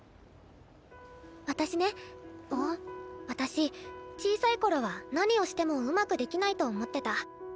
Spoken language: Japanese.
私小さい頃は何をしてもうまくできないと思ってた。